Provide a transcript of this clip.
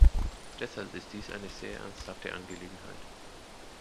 Deshalb ist dies eine sehr ernsthafte Angelegenheit.